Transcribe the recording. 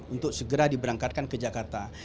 untuk segera diberangkatkan ke jakarta